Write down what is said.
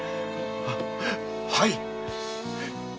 ははい！